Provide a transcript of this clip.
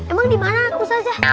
emang di mana pak ustazah